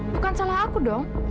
bukan salah aku dong